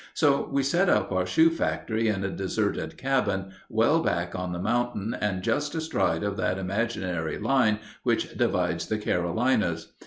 So, we set up our shoe factory in a deserted cabin, well back on the mountain and just astride of that imaginary line which divides the Carolinas.